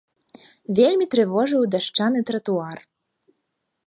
Вельмі трывожыў дашчаны тратуар.